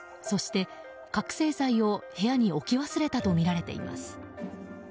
そして覚醒剤を部屋に置き忘れたとみられています。